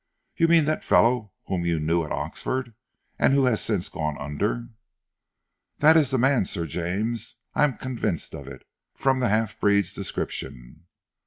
"You mean that fellow whom you knew at Oxford, and who has since gone under?" "That is the man, Sir James; I am convinced of it, from the half breed's description."